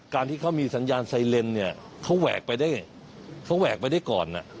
การที่เขามีสัญญาณไซเลนเนี่ยเขาแหวกไปได้เขาแหวกไปได้ก่อน